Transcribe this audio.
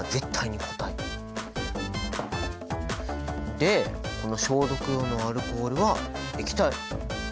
でこの消毒用のアルコールは液体！